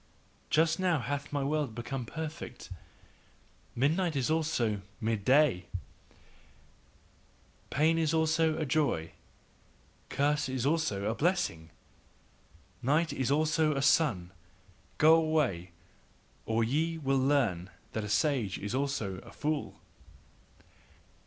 Just now hath my world become perfect, midnight is also mid day, Pain is also a joy, curse is also a blessing, night is also a sun, go away! or ye will learn that a sage is also a fool.